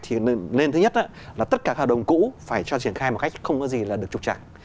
thì lên thứ nhất là tất cả hợp đồng cũ phải cho triển khai một cách không có gì là được trục trặc